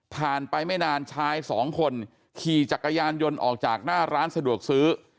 ไปไม่นานชายสองคนขี่จักรยานยนต์ออกจากหน้าร้านสะดวกซื้อ